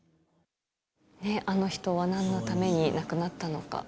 あの人は何のために亡くなったのか。